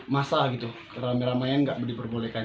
masa gitu ramai ramain nggak diperbolehkan